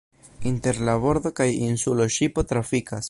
Inter la bordo kaj insulo ŝipo trafikas.